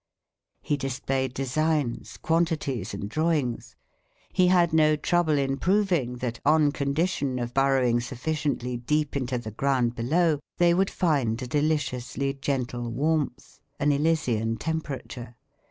He displayed designs, quantities and drawings. He had no trouble in proving that, on condition of burrowing sufficiently deep into the ground below, they would find a deliciously gentle warmth, an Elysian temperature.